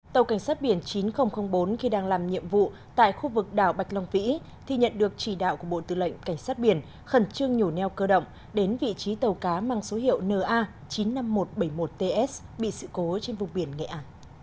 tàu cảnh sát biển chín nghìn bốn khi đang làm nhiệm vụ tại khu vực đảo bạch long vĩ thì nhận được chỉ đạo của bộ tư lệnh cảnh sát biển khẩn trương nhổ neo cơ động đến vị trí tàu cá mang số hiệu na chín mươi năm nghìn một trăm bảy mươi một ts bị sự cố trên vùng biển nghệ á